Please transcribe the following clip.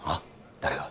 誰が？